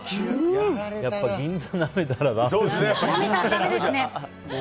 やっぱ銀座なめたらだめだね。